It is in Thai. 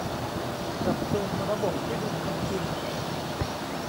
ปรับปรุงระบบที่ดินทำกิน